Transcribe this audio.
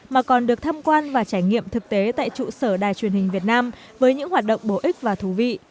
mà còn được tham quan và trải nghiệm thực tế tại trụ sở đài truyền hình việt nam với những hoạt động bổ ích và thú vị